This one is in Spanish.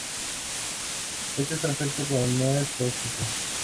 Este es perfecto cuando no es cáustico.